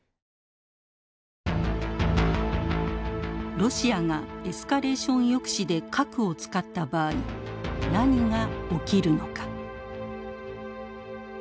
ロシアがエスカレーション抑止で核を使った場合何が起きるのか。